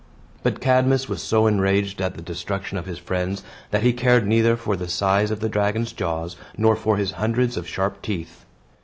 But Cadmus was so enraged at the destruction of his friends that he cared neither for the size of the dragon's jaws nor for his hundreds of sharp teeth.